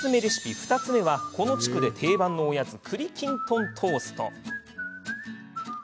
２つ目はこの地区で定番のおやつくりきんとんトースト。